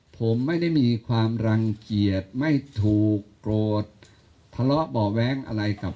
ชักอาวิธีที่ทำพักเศรษฐกิจใช่มั้ย